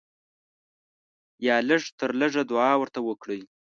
یا لږ تر لږه دعا ورته وکړئ.